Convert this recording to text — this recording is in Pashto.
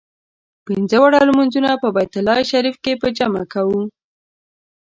پنځه واړه لمونځونه په بیت الله شریف کې په جمع کوو.